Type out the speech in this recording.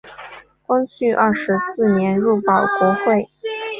光绪二十四年入保国会。